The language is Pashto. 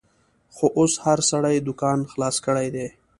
خو اوس هر سړي دوکان خلاص کړیدی